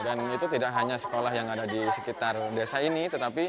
dan itu tidak hanya sekolah yang ada di sekitar desa ini